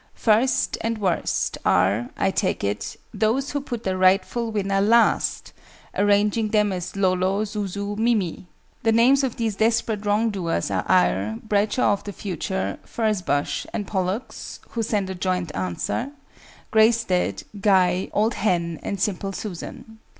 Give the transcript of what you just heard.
First and worst are, I take it, those who put the rightful winner last; arranging them as "Lolo, Zuzu, Mimi." The names of these desperate wrong doers are AYR, BRADSHAW OF THE FUTURE, FURZE BUSH and POLLUX (who send a joint answer), GREYSTEAD, GUY, OLD HEN, and SIMPLE SUSAN.